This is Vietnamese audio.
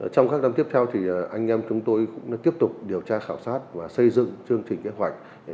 trong các năm tiếp theo thì anh em chúng tôi cũng tiếp tục điều tra khảo sát và xây dựng chương trình kế hoạch